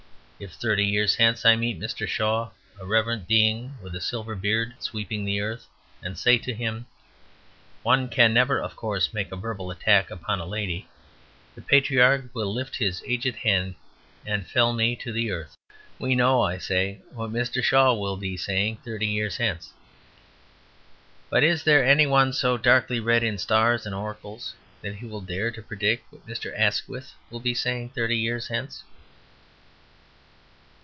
If thirty years hence I meet Mr. Shaw, a reverent being with a silver beard sweeping the earth, and say to him, "One can never, of course, make a verbal attack upon a lady," the patriarch will lift his aged hand and fell me to the earth. We know, I say, what Mr. Shaw will be, saying thirty years hence. But is there any one so darkly read in stars and oracles that he will dare to predict what Mr. Asquith will be saying thirty years hence?